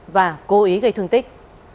và cố ý gây thương tích